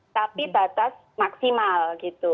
tapi batas maksimal